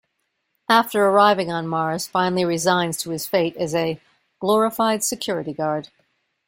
After arriving on Mars, finally resigns to his fate as a "glorified security guard".